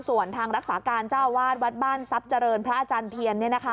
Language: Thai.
ส่วนทางรักษาการเจ้าวาดวัดบ้านทรัพย์เจริญพระอาจารย์เพียร